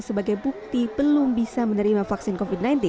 sebagai bukti belum bisa menerima vaksin covid sembilan belas